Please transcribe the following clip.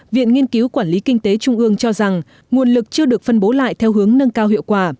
viện nghiên cứu quản lý kinh tế trung ương cho rằng nguồn lực chưa được phân bố lại theo hướng nâng cao hiệu quả